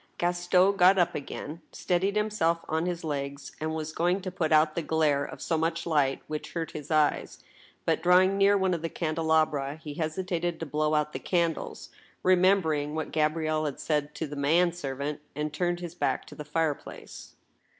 Gaston got up ag^in, steadied himself on his legs, and was going to put out the glare of so much light, which hurt his eyes. But, drawing near one of the candelabra, he hesitated to blow out the candles, remembering what Gabrielle had said to the man servant, and turned his back to the fireplace.